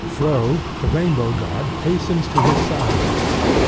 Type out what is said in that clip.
Froh, the Rainbow god, hastens to his side.